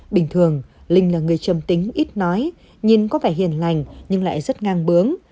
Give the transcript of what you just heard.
bình thường linh là người chầm tính ít nói nhìn có vẻ hiền lành nhưng lại rất ngang bướng